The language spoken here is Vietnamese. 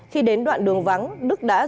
khi đến đoạn đường vắng đức đã dùng xe máy